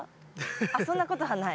あっそんなことはない？